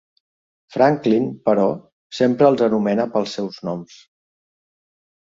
Franklin, però, sempre els anomena pel seus noms.